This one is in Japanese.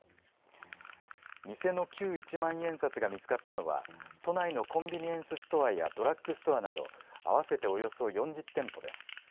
偽の旧一万円札が見つかったのは都内のコンビニエンスストアやドラッグストアなど合わせておよそ４０店舗です。